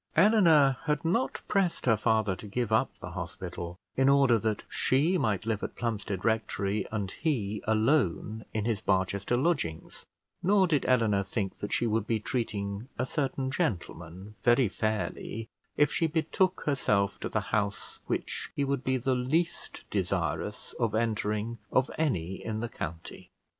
Eleanor had not pressed her father to give up the hospital in order that she might live at Plumstead Rectory and he alone in his Barchester lodgings; nor did Eleanor think that she would be treating a certain gentleman very fairly, if she betook herself to the house which he would be the least desirous of entering of any in the county.